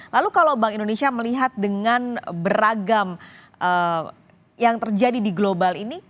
lalu kalau bank indonesia melihat dengan beragam yang terjadi di global ini